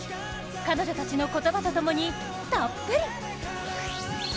彼女たちの言葉とともにたっぷり。